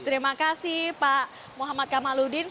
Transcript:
terima kasih pak muhammad kamaludin